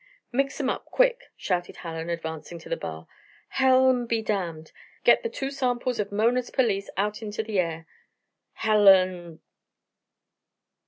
"Mix 'em up quick!" shouted Hallen, advancing to the bar. "Hell en be damned! Get the two samples of Mona's police out into the air! Hell en